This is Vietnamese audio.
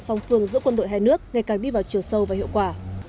song phương giữa quân đội hai nước ngày càng đi vào chiều sâu và hiệu quả